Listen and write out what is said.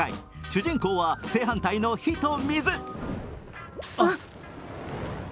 主人公は正反対の、火と水。